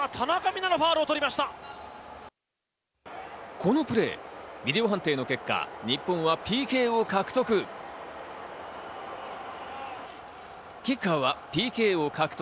このプレー、ビデオ判定の結果、日本はＰＫを獲得。